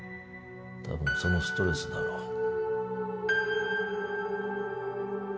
多分そのストレスだろう。